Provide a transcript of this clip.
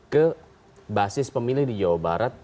ke basis pemilih di jawa barat